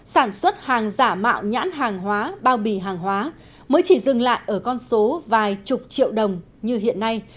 sản xuất hàng giả mạo nhãn hàng hóa bao bì hàng hóa mới chỉ dừng lại ở con số vài chục triệu đồng như hiện nay